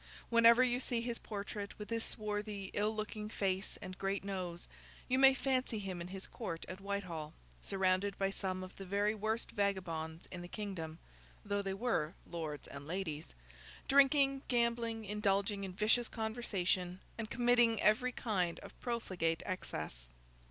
Whenever you see his portrait, with his swarthy, ill looking face and great nose, you may fancy him in his Court at Whitehall, surrounded by some of the very worst vagabonds in the kingdom (though they were lords and ladies), drinking, gambling, indulging in vicious conversation, and committing every kind of profligate excess.